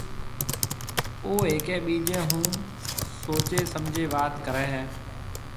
او هيَڪي ٻِيجيَ هون سوچيَ سمجهيََ وات ڪريَ هيَ۔